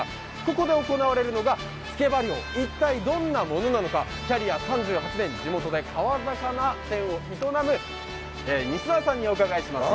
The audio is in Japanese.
ここで行われるのがつけば漁、一体どんなものなのかキャリア３８年、地元で川魚店を営む西沢さんにお伺いします。